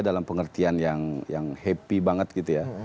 dalam pengertian yang happy banget gitu ya